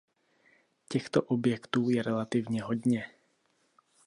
Těchto objektů je relativně hodně.